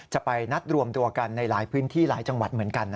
จะไปนัดรวมตัวกันในหลายพื้นที่หลายจังหวัดเหมือนกัน